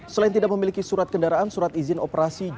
selain tidak memiliki surat kendaraan surat izin operasi